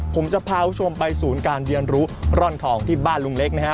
ผมจะพาคุณผู้ชมไปศูนย์การเรียนรู้ร่อนทองที่บ้านลุงเล็กนะฮะ